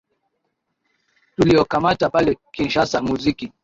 tuliokamata pale kinshasa muziki